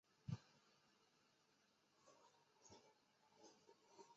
现效力于俄克拉何马城雷霆。